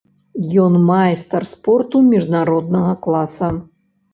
Ён майстар спорту міжнароднага класа.